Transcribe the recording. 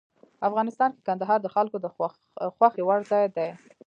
افغانستان کې کندهار د خلکو د خوښې وړ ځای دی.